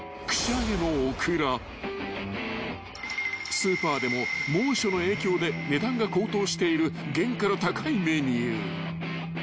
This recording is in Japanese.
［スーパーでも猛暑の影響で値段が高騰している原価の高いメニュー］